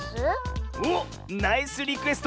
おっナイスリクエスト！